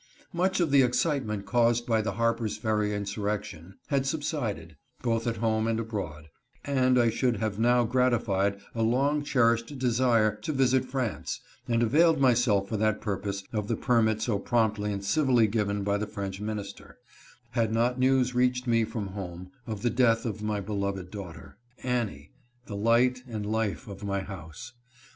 Much of the excitement caused by the Harper's Ferry insurrection had subsided, both at home and abroad, and I should have now gratified a long cherished desire to visit France, and availed myself for that purpose of the permit so promptly and civilly given by the French minister, had not news reached me from home of the death of my beloved daughter Annie, the light and life of my house.